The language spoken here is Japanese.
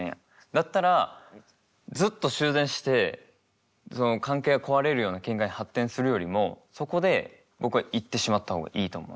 だったらずっと修繕して関係が壊れるような展開に発展するよりもそこで僕は言ってしまった方がいいと思う。